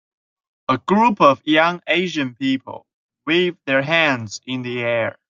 A group of young Asian people wave their hands in the air.